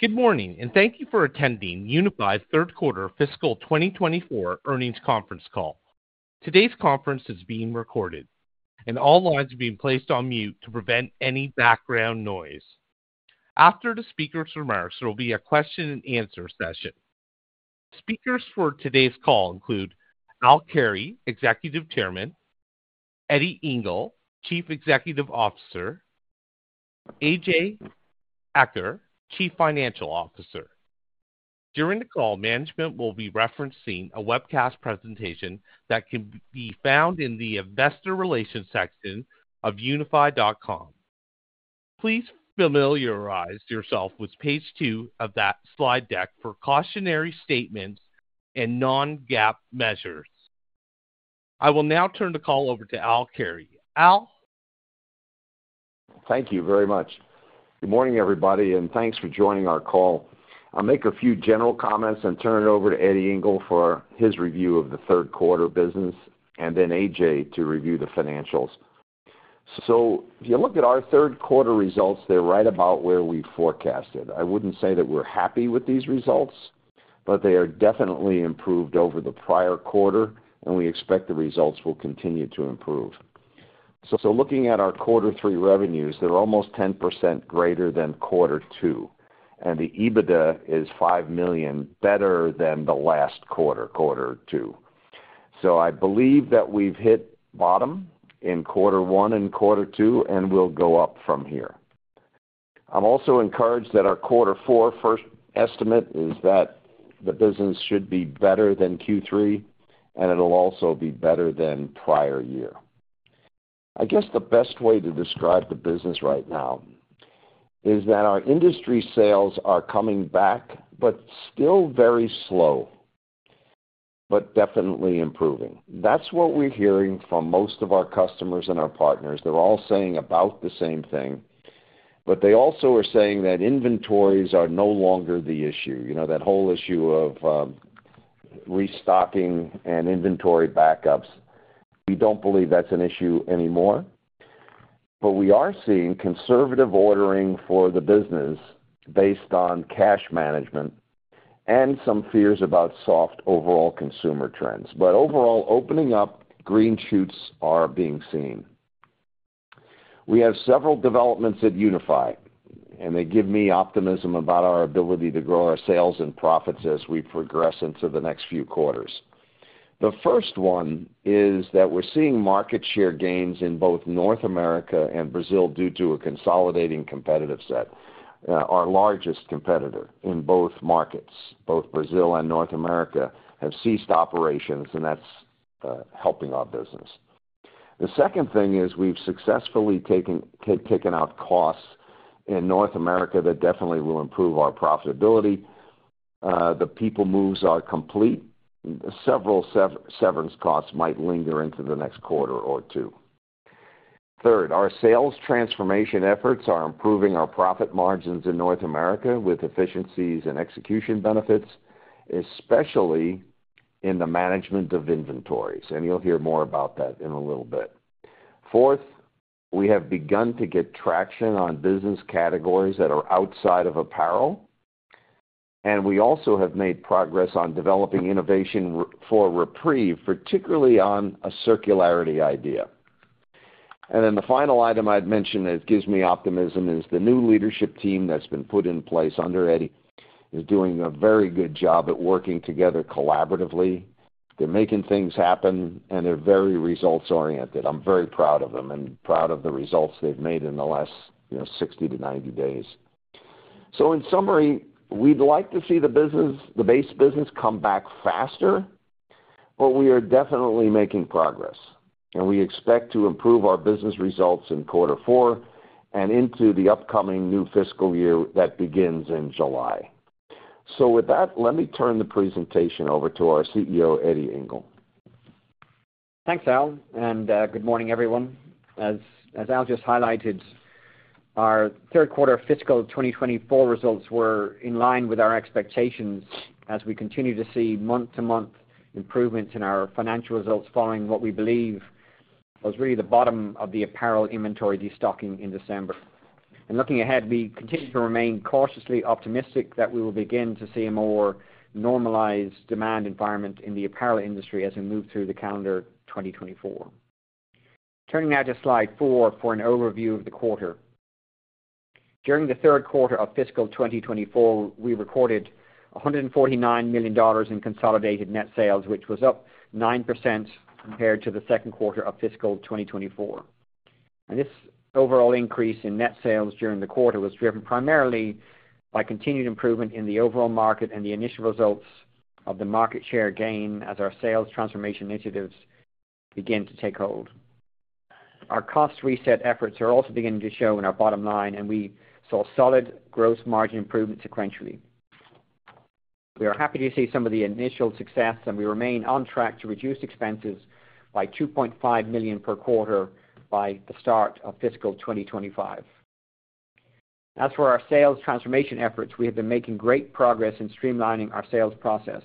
Good morning, and thank you for attending Unifi's third-quarter fiscal 2024 earnings conference call. Today's conference is being recorded, and all lines are being placed on mute to prevent any background noise. After the speaker's remarks, there will be a question-and-answer session. Speakers for today's call include Al Carey, Executive Chairman; Eddie Ingle, Chief Executive Officer; A.J. Eaker, Chief Financial Officer. During the call, management will be referencing a webcast presentation that can be found in the Investor Relations section of unifi.com. Please familiarize yourself with page two of that slide deck for cautionary statements and non-GAAP measures. I will now turn the call over to Al Carey. Al? Thank you very much. Good morning, everybody, and thanks for joining our call. I'll make a few general comments and turn it over to Eddie Ingle for his review of the third-quarter business, and then A.J. to review the financials. So if you look at our third-quarter results, they're right about where we forecasted. I wouldn't say that we're happy with these results, but they are definitely improved over the prior quarter, and we expect the results will continue to improve. So looking at our quarter three revenues, they're almost 10% greater than quarter two, and the EBITDA is $5 million better than the last quarter, quarter two. So I believe that we've hit bottom in quarter one and quarter two, and we'll go up from here. I'm also encouraged that our quarter four first estimate is that the business should be better than Q3, and it'll also be better than prior year. I guess the best way to describe the business right now is that our industry sales are coming back but still very slow, but definitely improving. That's what we're hearing from most of our customers and our partners. They're all saying about the same thing, but they also are saying that inventories are no longer the issue, that whole issue of restocking and inventory backups. We don't believe that's an issue anymore, but we are seeing conservative ordering for the business based on cash management and some fears about soft overall consumer trends. But overall, opening up green shoots are being seen. We have several developments at Unifi, and they give me optimism about our ability to grow our sales and profits as we progress into the next few quarters. The first one is that we're seeing market share gains in both North America and Brazil due to a consolidating competitive set, our largest competitor in both markets. Both Brazil and North America have ceased operations, and that's helping our business. The second thing is we've successfully taken out costs in North America that definitely will improve our profitability. The people moves are complete. Several severance costs might linger into the next quarter or two. Third, our sales transformation efforts are improving our profit margins in North America with efficiencies and execution benefits, especially in the management of inventories, and you'll hear more about that in a little bit. Fourth, we have begun to get traction on business categories that are outside of apparel, and we also have made progress on developing innovation for REPREVE, particularly on a circularity idea. And then the final item I'd mention that gives me optimism is the new leadership team that's been put in place under Eddie is doing a very good job at working together collaboratively. They're making things happen, and they're very results-oriented. I'm very proud of them and proud of the results they've made in the last 60-90 days. So in summary, we'd like to see the base business come back faster, but we are definitely making progress, and we expect to improve our business results in quarter four and into the upcoming new fiscal year that begins in July. So with that, let me turn the presentation over to our CEO, Eddie Ingle. Thanks, Al, and good morning, everyone. As Al just highlighted, our third-quarter fiscal 2024 results were in line with our expectations as we continue to see month-to-month improvements in our financial results following what we believe was really the bottom of the apparel inventory destocking in December. Looking ahead, we continue to remain cautiously optimistic that we will begin to see a more normalized demand environment in the apparel industry as we move through the calendar 2024. Turning now to slide four for an overview of the quarter. During the third quarter of fiscal 2024, we recorded $149 million in consolidated net sales, which was up 9% compared to the second quarter of fiscal 2024. This overall increase in net sales during the quarter was driven primarily by continued improvement in the overall market and the initial results of the market share gain as our sales transformation initiatives began to take hold. Our cost reset efforts are also beginning to show in our bottom line, and we saw solid gross margin improvement sequentially. We are happy to see some of the initial success, and we remain on track to reduce expenses by $2.5 million per quarter by the start of fiscal 2025. As for our sales transformation efforts, we have been making great progress in streamlining our sales process,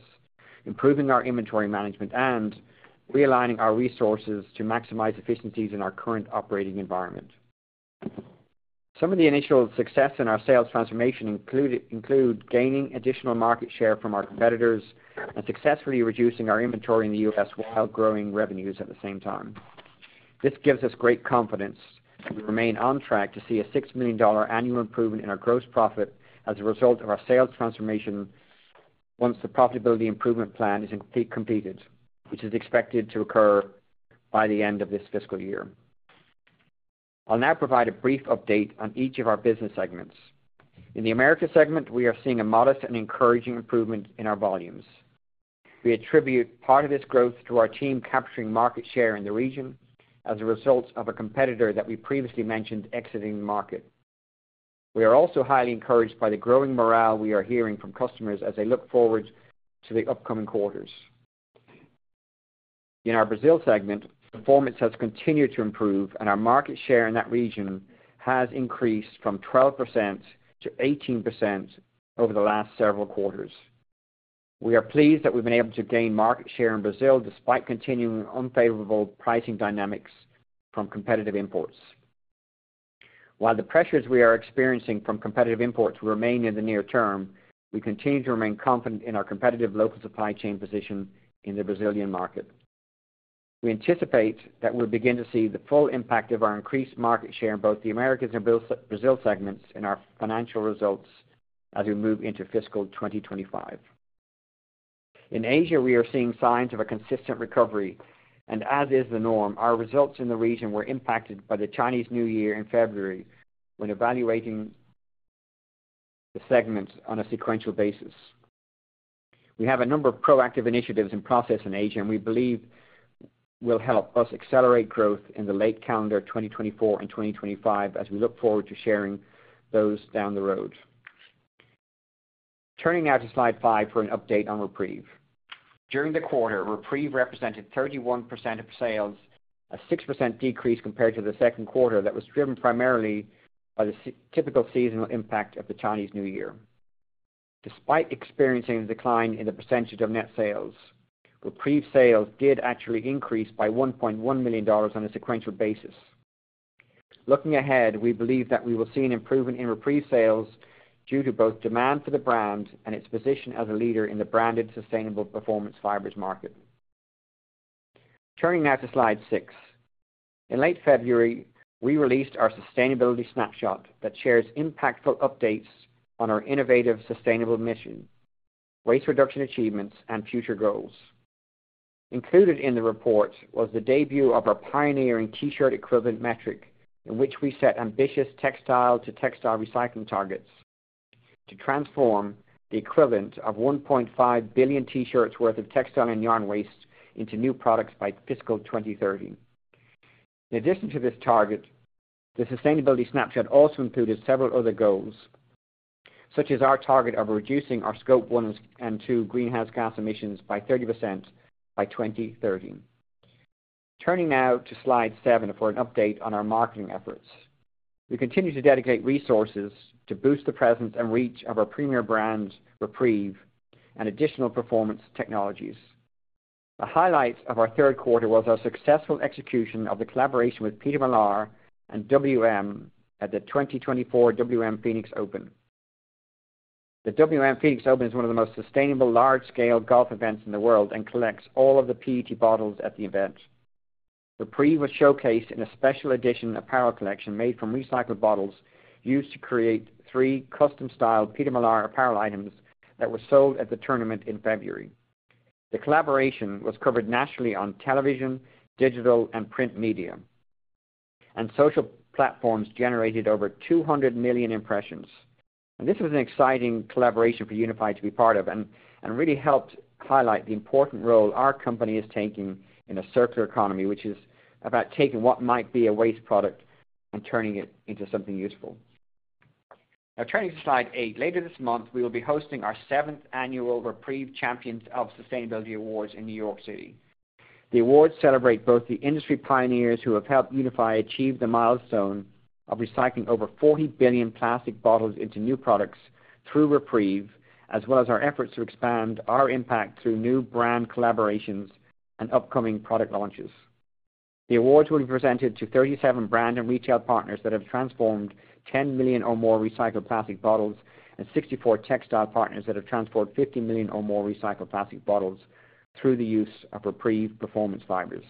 improving our inventory management, and realigning our resources to maximize efficiencies in our current operating environment. Some of the initial success in our sales transformation include gaining additional market share from our competitors and successfully reducing our inventory in the U.S. while growing revenues at the same time. This gives us great confidence. We remain on track to see a $6 million annual improvement in our gross profit as a result of our sales transformation once the profitability improvement plan is completed, which is expected to occur by the end of this fiscal year. I'll now provide a brief update on each of our business segments. In the Americas segment, we are seeing a modest and encouraging improvement in our volumes. We attribute part of this growth to our team capturing market share in the region as a result of a competitor that we previously mentioned exiting the market. We are also highly encouraged by the growing morale we are hearing from customers as they look forward to the upcoming quarters. In our Brazil segment, performance has continued to improve, and our market share in that region has increased from 12% to 18% over the last several quarters. We are pleased that we've been able to gain market share in Brazil despite continuing unfavorable pricing dynamics from competitive imports. While the pressures we are experiencing from competitive imports remain in the near term, we continue to remain confident in our competitive local supply chain position in the Brazilian market. We anticipate that we'll begin to see the full impact of our increased market share in both the America and Brazil segments in our financial results as we move into fiscal 2025. In Asia, we are seeing signs of a consistent recovery, and as is the norm, our results in the region were impacted by the Chinese New Year in February when evaluating the segments on a sequential basis. We have a number of proactive initiatives in process in Asia, and we believe will help us accelerate growth in the late calendar 2024 and 2025 as we look forward to sharing those down the road. Turning now to slide five for an update on REPREVE. During the quarter, REPREVE represented 31% of sales, a 6% decrease compared to the second quarter that was driven primarily by the typical seasonal impact of the Chinese New Year. Despite experiencing a decline in the percentage of net sales, REPREVE sales did actually increase by $1.1 million on a sequential basis. Looking ahead, we believe that we will see an improvement in REPREVE sales due to both demand for the brand and its position as a leader in the branded sustainable performance fibers market. Turning now to slide six. In late February, we released our Sustainability Snapshot that shares impactful updates on our innovative sustainable mission, waste reduction achievements, and future goals. Included in the report was the debut of our pioneering T-shirt equivalent metric in which we set ambitious textile-to-textile recycling targets to transform the equivalent of 1.5 billion T-shirts' worth of textile and yarn waste into new products by fiscal 2030. In addition to this target, the Sustainability Snapshot also included several other goals, such as our target of reducing our Scope 1 and 2 greenhouse gas emissions by 30% by 2030. Turning now to slide seven for an update on our marketing efforts. We continue to dedicate resources to boost the presence and reach of our premier brand, REPREVE, and additional performance technologies. The highlights of our third quarter was our successful execution of the collaboration with Peter Millar and WM at the 2024 WM Phoenix Open. The WM Phoenix Open is one of the most sustainable large-scale golf events in the world and collects all of the PET bottles at the event. REPREVE was showcased in a special edition apparel collection made from recycled bottles used to create three custom-styled Peter Millar apparel items that were sold at the tournament in February. The collaboration was covered nationally on television, digital, and print media, and social platforms generated over 200 million impressions. This was an exciting collaboration for Unifi to be part of and really helped highlight the important role our company is taking in a circular economy, which is about taking what might be a waste product and turning it into something useful. Now, turning to slide eight. Later this month, we will be hosting our seventh annual REPREVE Champions of Sustainability Awards in New York City. The awards celebrate both the industry pioneers who have helped Unifi achieve the milestone of recycling over 40 billion plastic bottles into new products through REPREVE, as well as our efforts to expand our impact through new brand collaborations and upcoming product launches. The awards will be presented to 37 brand and retail partners that have transformed 10 million or more recycled plastic bottles and 64 textile partners that have transported 50 million or more recycled plastic bottles through the use of REPREVE performance fibers.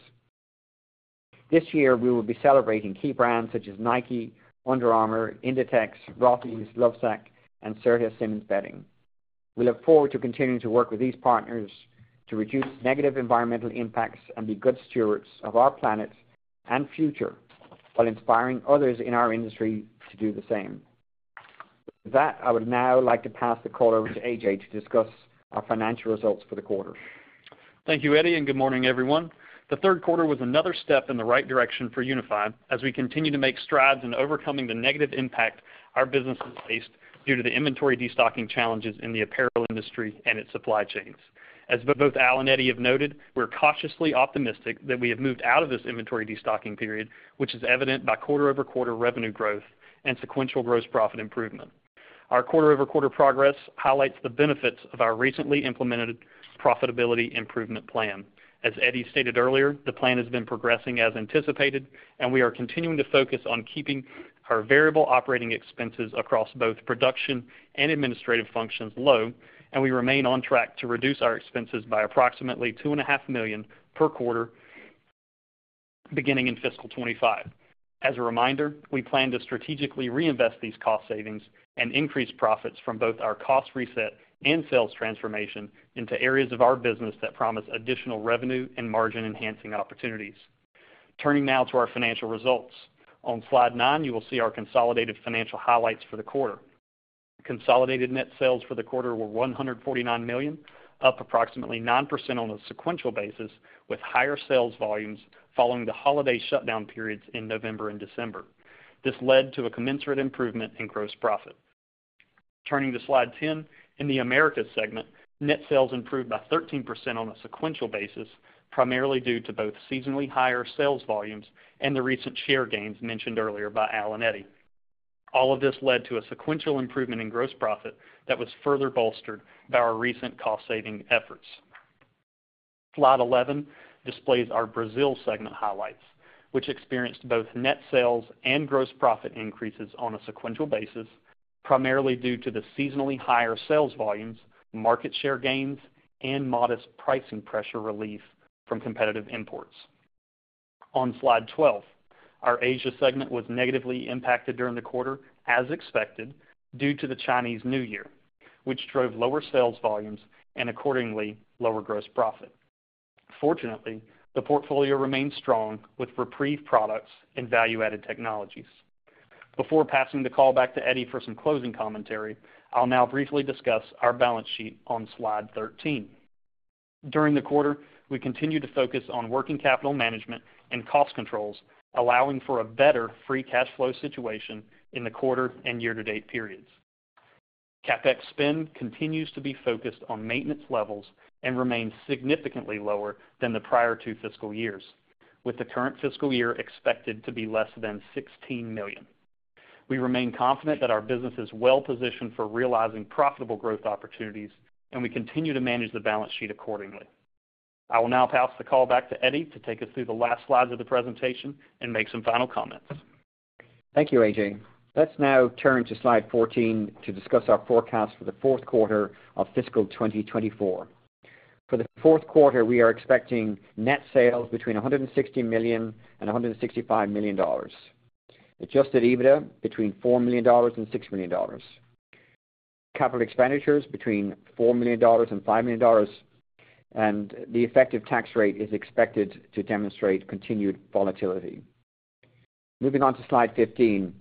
This year, we will be celebrating key brands such as Nike, Under Armour, Inditex, Rothy's, Lovesac, and Serta Simmons Bedding. We look forward to continuing to work with these partners to reduce negative environmental impacts and be good stewards of our planet and future while inspiring others in our industry to do the same. With that, I would now like to pass the call over to A.J. to discuss our financial results for the quarter. Thank you, Eddie, and good morning, everyone. The third quarter was another step in the right direction for Unifi as we continue to make strides in overcoming the negative impact our businesses faced due to the inventory destocking challenges in the apparel industry and its supply chains. As both Al and Eddie have noted, we're cautiously optimistic that we have moved out of this inventory destocking period, which is evident by quarter-over-quarter revenue growth and sequential gross profit improvement. Our quarter-over-quarter progress highlights the benefits of our recently implemented profitability improvement plan. As Eddie stated earlier, the plan has been progressing as anticipated, and we are continuing to focus on keeping our variable operating expenses across both production and administrative functions low, and we remain on track to reduce our expenses by approximately $2.5 million per quarter beginning in fiscal 2025. As a reminder, we plan to strategically reinvest these cost savings and increase profits from both our cost reset and sales transformation into areas of our business that promise additional revenue and margin-enhancing opportunities. Turning now to our financial results. On slide nine, you will see our consolidated financial highlights for the quarter. Consolidated net sales for the quarter were $149 million, up approximately 9% on a sequential basis with higher sales volumes following the holiday shutdown periods in November and December. This led to a commensurate improvement in gross profit. Turning to slide 10. In the Americas segment, net sales improved by 13% on a sequential basis, primarily due to both seasonally higher sales volumes and the recent share gains mentioned earlier by Al and Eddie. All of this led to a sequential improvement in gross profit that was further bolstered by our recent cost-saving efforts. Slide 11 displays our Brazil segment highlights, which experienced both net sales and gross profit increases on a sequential basis, primarily due to the seasonally higher sales volumes, market share gains, and modest pricing pressure relief from competitive imports. On slide 12, our Asia segment was negatively impacted during the quarter, as expected, due to the Chinese New Year, which drove lower sales volumes and, accordingly, lower gross profit. Fortunately, the portfolio remained strong with REPREVE products and value-added technologies. Before passing the call back to Eddie for some closing commentary, I'll now briefly discuss our balance sheet on slide 13. During the quarter, we continue to focus on working capital management and cost controls, allowing for a better free cash flow situation in the quarter and year-to-date periods. CapEx spend continues to be focused on maintenance levels and remains significantly lower than the prior two fiscal years, with the current fiscal year expected to be less than $16 million. We remain confident that our business is well-positioned for realizing profitable growth opportunities, and we continue to manage the balance sheet accordingly. I will now pass the call back to Eddie to take us through the last slides of the presentation and make some final comments. Thank you, A.J. Let's now turn to slide 14 to discuss our forecast for the fourth quarter of fiscal 2024. For the fourth quarter, we are expecting net sales between $160 million and $165 million, adjusted EBITDA between $4 million and $6 million, capital expenditures between $4 million and $5 million, and the effective tax rate is expected to demonstrate continued volatility. Moving on to slide 15.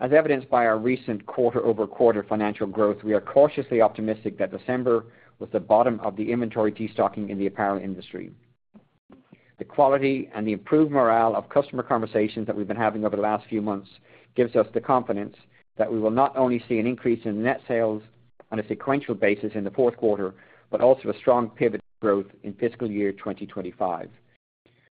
As evidenced by our recent quarter-over-quarter financial growth, we are cautiously optimistic that December was the bottom of the inventory destocking in the apparel industry. The quality and the improved morale of customer conversations that we've been having over the last few months gives us the confidence that we will not only see an increase in net sales on a sequential basis in the fourth quarter but also a strong pivot growth in fiscal year 2025.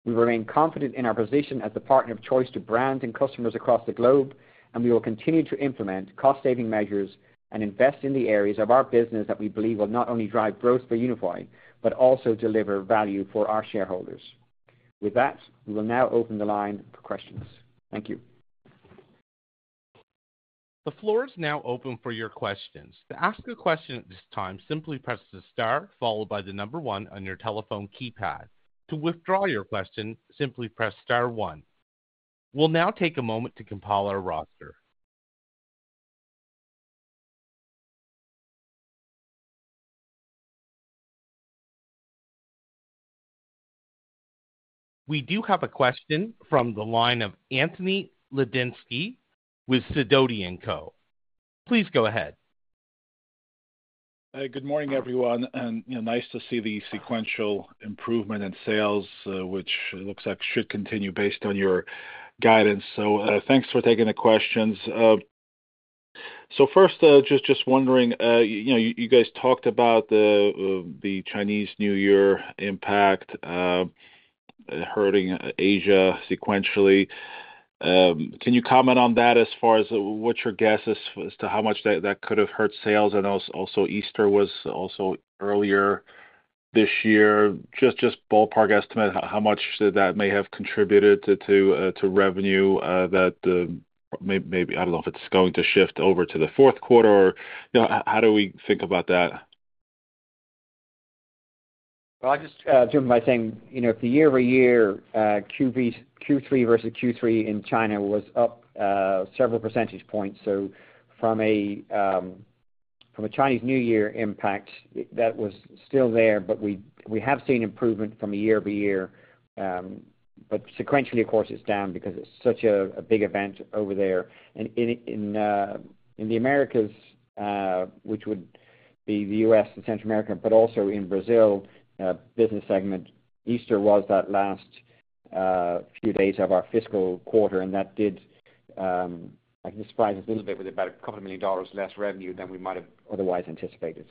We remain confident in our position as the partner of choice to brands and customers across the globe, and we will continue to implement cost-saving measures and invest in the areas of our business that we believe will not only drive growth for Unifi but also deliver value for our shareholders. With that, we will now open the line for questions. Thank you. The floor is now open for your questions. To ask a question at this time, simply press the star followed by the number one on your telephone keypad. To withdraw your question, simply press star one. We'll now take a moment to compile our roster. We do have a question from the line of Anthony Lebiedzinski with Sidoti & Co. Please go ahead. Good morning, everyone. Nice to see the sequential improvement in sales, which looks like should continue based on your guidance. Thanks for taking the questions. First, just wondering, you guys talked about the Chinese New Year impact hurting Asia sequentially. Can you comment on that as far as what your guess is as to how much that could have hurt sales? I know also Easter was also earlier this year. Just ballpark estimate, how much that may have contributed to revenue that maybe I don't know if it's going to shift over to the fourth quarter or how do we think about that? Well, I'll just jump in by saying in the year-over-year, Q3 versus Q3 in China was up several percentage points. So from a Chinese New Year impact, that was still there, but we have seen improvement from a year-over-year. But sequentially, of course, it's down because it's such a big event over there. And in the Americas, which would be the U.S. and Central America, but also in Brazil business segment, Easter was that last few days of our fiscal quarter, and that did surprise us a little bit with about $2 million less revenue than we might have otherwise anticipated.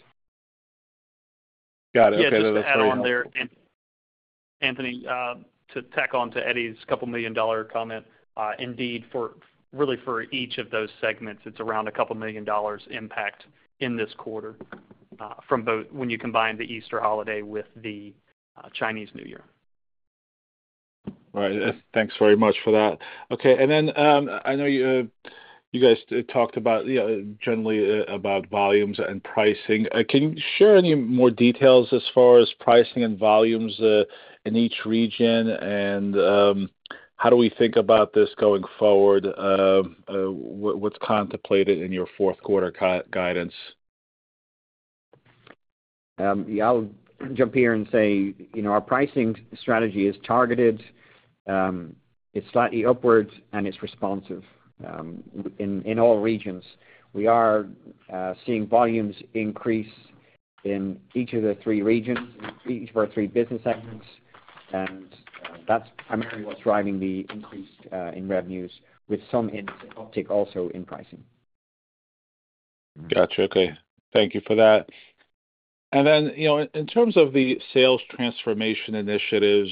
Got it. Okay. Just to add on there, Anthony, to tack on to Eddie's $2 million comment, indeed, really for each of those segments, it's around a $2 million impact in this quarter when you combine the Easter holiday with the Chinese New Year. Right. Thanks very much for that. Okay. And then I know you guys talked generally about volumes and pricing. Can you share any more details as far as pricing and volumes in each region, and how do we think about this going forward? What's contemplated in your fourth quarter guidance? Yeah. I'll jump here and say our pricing strategy is targeted. It's slightly upwards, and it's responsive in all regions. We are seeing volumes increase in each of the three regions, each of our three business segments, and that's primarily what's driving the increase in revenues, with some uptick also in pricing. Gotcha. Okay. Thank you for that. Then in terms of the sales transformation initiatives,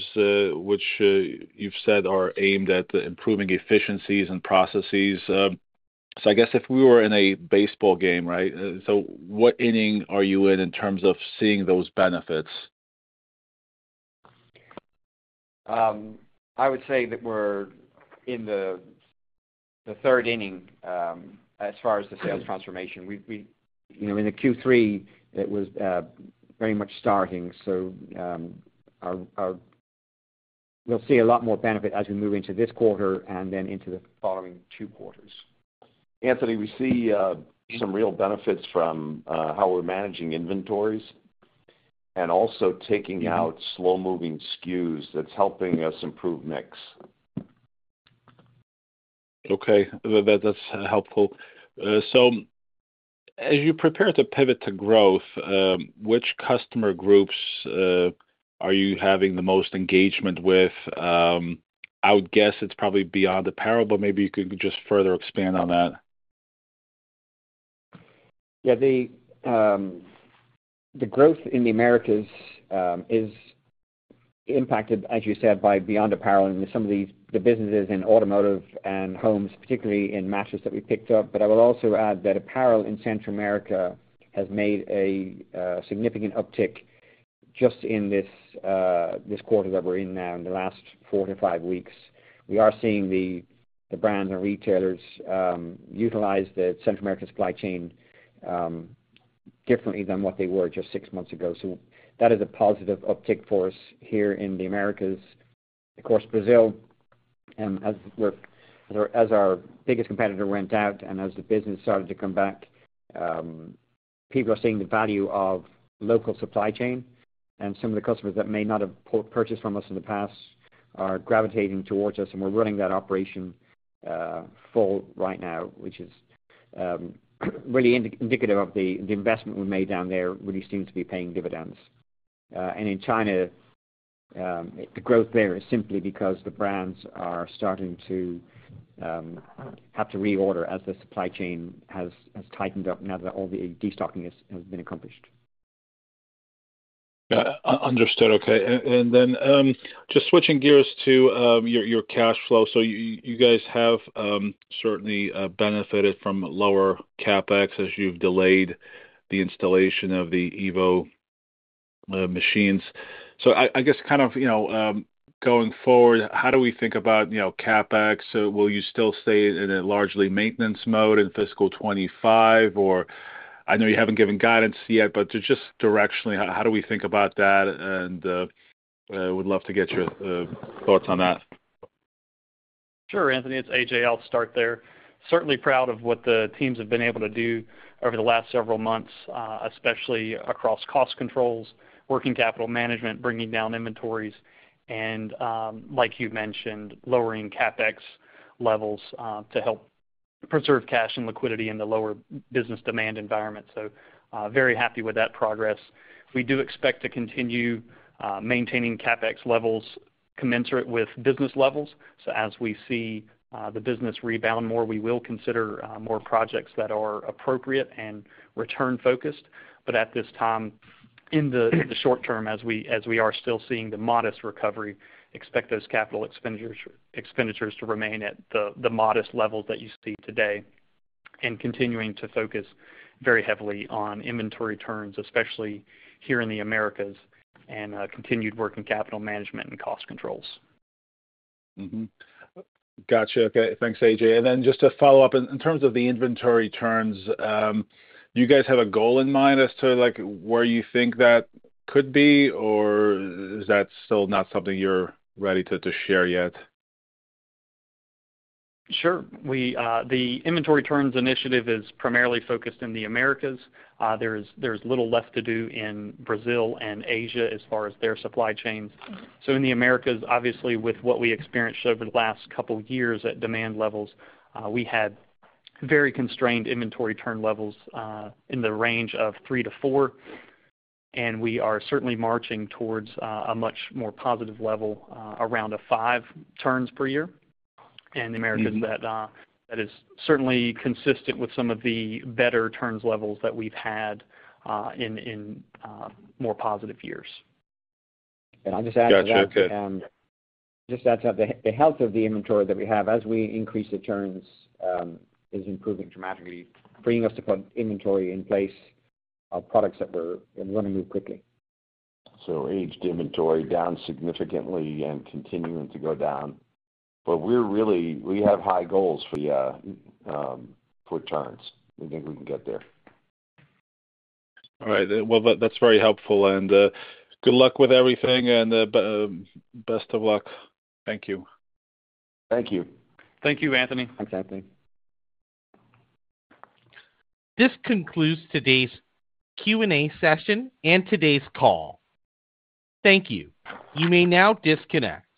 which you've said are aimed at improving efficiencies and processes, so I guess if we were in a baseball game, right, so what inning are you in in terms of seeing those benefits? I would say that we're in the third inning as far as the sales transformation. In the Q3, it was very much starting. So we'll see a lot more benefit as we move into this quarter and then into the following two quarters. Anthony, we see some real benefits from how we're managing inventories and also taking out slow-moving SKUs. That's helping us improve mix. Okay. That's helpful. So as you prepare to pivot to growth, which customer groups are you having the most engagement with? I would guess it's probably beyond apparel, but maybe you could just further expand on that. Yeah. The growth in the Americas is impacted, as you said, by beyond apparel. Some of the businesses in automotive and homes, particularly in mattress, that we picked up. But I will also add that apparel in Central America has made a significant uptick just in this quarter that we're in now, in the last four to five weeks. We are seeing the brands and retailers utilize the Central American supply chain differently than what they were just six months ago. So that is a positive uptick for us here in the Americas. Of course, Brazil, as our biggest competitor went out and as the business started to come back, people are seeing the value of local supply chain, and some of the customers that may not have purchased from us in the past are gravitating towards us, and we're running that operation full right now, which is really indicative of the investment we made down there really seems to be paying dividends. In China, the growth there is simply because the brands are starting to have to reorder as the supply chain has tightened up now that all the destocking has been accomplished. Yeah. Understood. Okay. And then just switching gears to your cash flow. So you guys have certainly benefited from lower CapEx as you've delayed the installation of the Evo machines. So I guess kind of going forward, how do we think about CapEx? Will you still stay in a largely maintenance mode in fiscal 2025? Or I know you haven't given guidance yet, but just directionally, how do we think about that? And would love to get your thoughts on that. Sure, Anthony. It's A.J. I'll start there. Certainly proud of what the teams have been able to do over the last several months, especially across cost controls, working capital management, bringing down inventories, and, like you mentioned, lowering CapEx levels to help preserve cash and liquidity in the lower business demand environment. So very happy with that progress. We do expect to continue maintaining CapEx levels commensurate with business levels. So as we see the business rebound more, we will consider more projects that are appropriate and return-focused. But at this time, in the short term, as we are still seeing the modest recovery, expect those capital expenditures to remain at the modest levels that you see today and continuing to focus very heavily on inventory turns, especially here in the Americas, and continued working capital management and cost controls. Gotcha. Okay. Thanks, A.J. And then just to follow up, in terms of the inventory turns, do you guys have a goal in mind as to where you think that could be, or is that still not something you're ready to share yet? Sure. The inventory turns initiative is primarily focused in the Americas. There's little left to do in Brazil and Asia as far as their supply chains. So in the Americas, obviously, with what we experienced over the last couple of years at demand levels, we had very constrained inventory turn levels in the range of 3-4, and we are certainly marching towards a much more positive level around five turns per year. And in the Americas, that is certainly consistent with some of the better turns levels that we've had in more positive years. I'll just add to that. Gotcha. Okay. Just add to that, the health of the inventory that we have as we increase the turns is improving dramatically, freeing us to put inventory in place of products that we're going to move quickly. Aged inventory down significantly and continuing to go down. But we have high goals. The foot turns. We think we can get there. All right. Well, that's very helpful. Good luck with everything, and best of luck. Thank you. Thank you. Thank you, Anthony. Thanks, Anthony. This concludes today's Q&A session and today's call. Thank you. You may now disconnect.